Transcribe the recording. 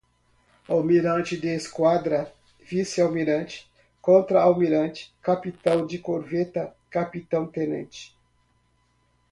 Almirante de Esquadra, Vice-Almirante, Contra-Almirante, Capitão de Corveta, Capitão-Tenente